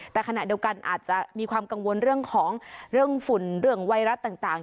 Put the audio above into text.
แต่ขณะเดียวกันอาจจะมีความกังวลเรื่องของเรื่องฝุ่นเรื่องไวรัสต่าง